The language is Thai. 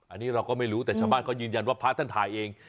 อันนี้เราก็ไม่รู้แต่ชาวบ้านเขายืนยันว่าพระท่านถ่ายเอง